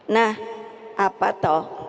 nah apa toh